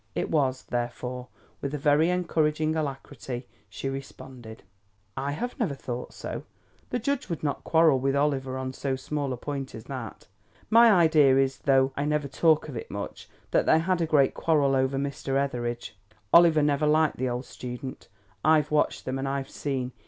It was, therefore, with a very encouraging alacrity she responded: "I have never thought so. The judge would not quarrel with Oliver on so small a point as that. My idea is, though I never talk of it much, that they had a great quarrel over Mr. Etheridge. Oliver never liked the old student; I've watched them and I've seen.